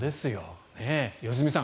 良純さん